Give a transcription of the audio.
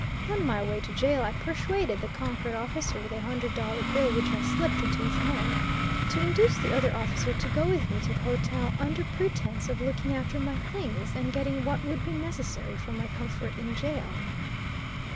On my way to jail I persuaded the Concord officer with a hundred dollar bill which I slipped into his hand to induce the other officer to go with me to the hotel under pretense of looking after my things, and getting what would be necessary for my comfort in jail.